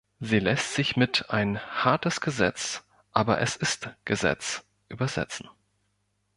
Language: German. Sie lässt sich mit "ein hartes Gesetz, aber es ist Gesetz" übersetzen.